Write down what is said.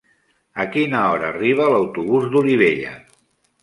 A quina hora arriba l'autobús d'Olivella?